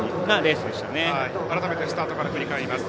スタートから振り返ります。